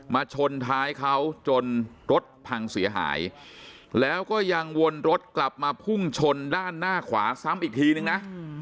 ชนท้ายเขาจนรถพังเสียหายแล้วก็ยังวนรถกลับมาพุ่งชนด้านหน้าขวาซ้ำอีกทีนึงนะ